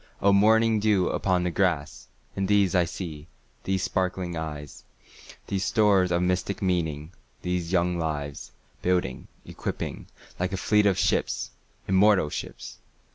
O morning dew upon the grass! And these I see—these sparkling eyes, These stores of mystic meaning—these young lives, Building, equipping, like a fleet of ships—immortal ships!